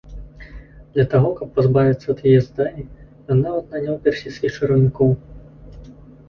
Для таго каб пазбавіцца ад яе здані, ён нават наняў персідскіх чараўнікоў.